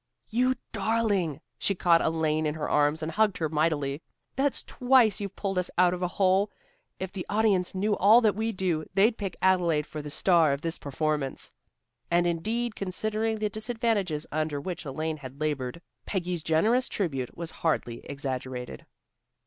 "You darling!" She caught Elaine in her arms, and hugged her mightily. "That's twice you've pulled us out of a hole. If the audience knew all that we do, they'd pick Adelaide for the star of this performance." And indeed, considering the disadvantages under which Elaine had labored, Peggy's generous tribute was hardly exaggerated.